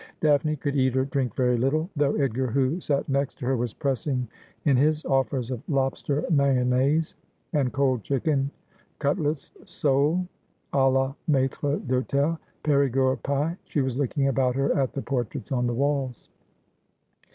Daphne could eat or drink very little, though Edgar, who 11$ AspJiodel. sat next to her, was pressing in his offers of lobster mayonnaise, and cold chicken, cutlets, sole ;i la maitre d'hutel, Perigord pie. She was looking about her at the portraits on the walls.